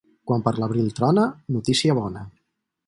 Quan per l'abril trona, notícia bona.